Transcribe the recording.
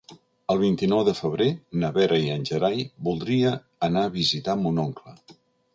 El vint-i-nou de febrer na Vera i en Gerai voldria anar a visitar mon oncle.